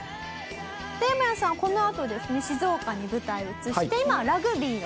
ヤマヤさんはこのあとですね静岡に舞台を移して今はラグビーの？